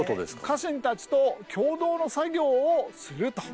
家臣たちと共同の作業をすると。